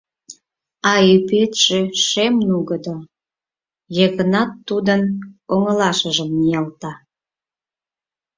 А ӱпетше шем-нугыдо, — Йыгнат Тудын оҥылашыжым ниялта.